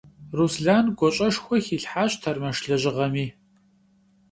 Руслан гуащӀэшхуэ хилъхьащ тэрмэш лэжьыгъэми.